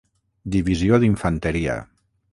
Divisió d'infanteria.